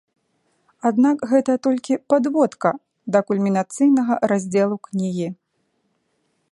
Аднак гэта толькі падводка да кульмінацыйнага раздзелу кнігі.